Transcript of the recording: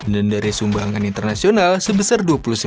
dan dari sumbangan internasional sebesar dua puluh sembilan